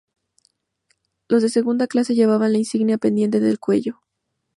Los de segunda clase llevaban la insignia pendiente del cuello.